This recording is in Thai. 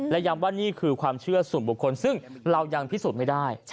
และย้ำว่านี่คือความเชื่อส่วนบุคคลซึ่งเรายังพิสูจน์ไม่ได้